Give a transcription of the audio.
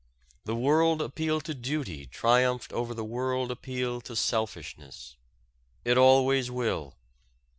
The world appeal to duty triumphed over the world appeal to selfishness. It always will.